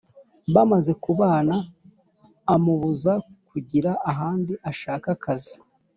“Bamaze kubana amubuza kugira ahandi ashaka akazi;